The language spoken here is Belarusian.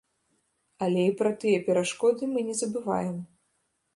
Але і пра тыя перашкоды мы не забываем.